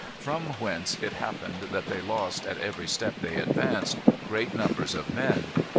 From whence it happened that they lost, at every step they advanced, great numbers of men.